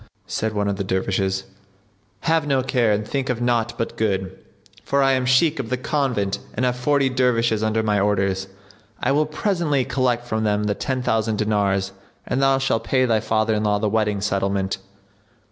Said one of the Dervishes, "Have no care and think of naught but good; for I am Shaykh of the Convent and have forty Dervishes under my orders. I will presently collect from them the ten thousand dinars and thou shalt pay thy father in law the wedding settlement.